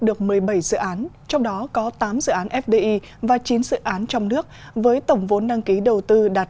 được một mươi bảy dự án trong đó có tám dự án fdi và chín dự án trong nước với tổng vốn đăng ký đầu tư đạt